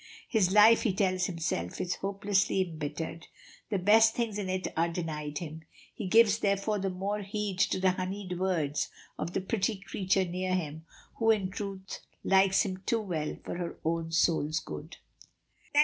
His life, he tells himself, is hopelessly embittered. The best things in it are denied him; he gives therefore the more heed to the honeyed words of the pretty creature near him, who in truth likes him too well for her own soul's good.